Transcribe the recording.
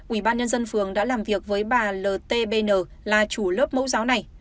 bỉ ban nhân dân phường đã làm việc với bà l t b n là chủ lớp mẫu giáo này